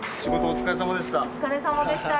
お疲れさまでした。